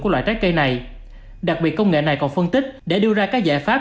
của loại trái cây này đặc biệt công nghệ này còn phân tích để đưa ra các giải pháp